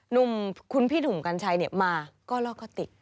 หนุ่มคุณพี่หนุ่มกัญชัยมาก็ลอกก็ติด